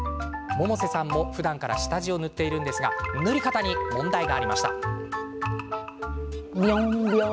百瀬さんも、ふだんから下地を塗っているんですが塗り方に問題が。